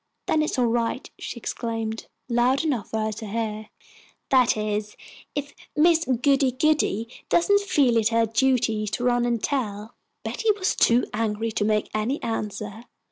"Then it is all right," she exclaimed, loud enough for her to hear, "that is, if Miss Goody goody doesn't feel it her duty to run and tell." Betty was too angry to make any answer.